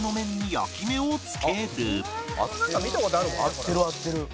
「合ってる合ってる」